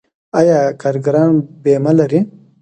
آیا کارګران بیمه لري؟